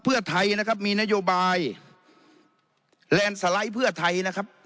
เพื่อไทยนะครับมีนโยบายแลนด์สไลด์เพื่อไทยนะครับ